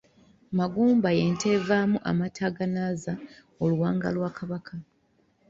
Magumba y'ente evaamu amata agaanaaza oluwanga lwa Kabaka.